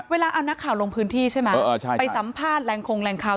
เวลาเอานักข่าวลงพื้นที่ใช่ไหมไปสัมภาษณ์แรงคงแรงข่าว